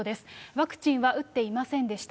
ワクチンは打っていませんでした。